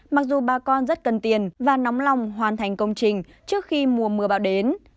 mặc dù bà con rất cần tiền và nóng lòng hoàn thành công trình trước khi mùa mưa bão đến